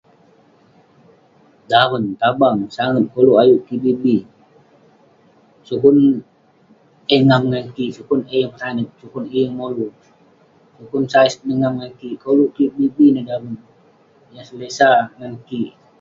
Daven, tabang, sagep koluek ayuk kik bii sukon eh ngam ngan kik sukan eh tanet sukan eh molu sukon saiz eh ngam ngan kik